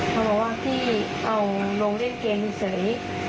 เขาบอกว่าพี่เอาลงเล่นเกมเฉย